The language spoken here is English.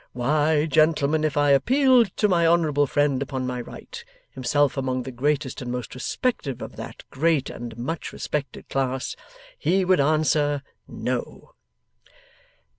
Why, gentlemen, if I appealed to my honourable friend upon my right, himself among the greatest and most respected of that great and much respected class, he would answer No!